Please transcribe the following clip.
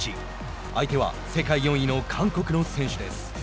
相手は世界４位の韓国の選手です。